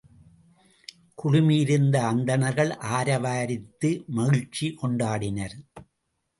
குழுமியிருந்த அந்தணர்கள் ஆரவாரித்து மகிழ்ச்சி கொண்டாடினர்.